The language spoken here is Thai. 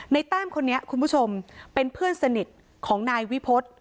แต้มคนนี้คุณผู้ชมเป็นเพื่อนสนิทของนายวิพฤษ